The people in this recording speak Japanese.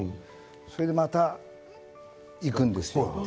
それで、また行くんですよ。